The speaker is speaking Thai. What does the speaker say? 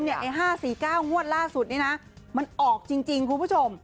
ไอ้๕๔๙งวดล่าสุดนี้นะมันออกจริงคุณผู้ชม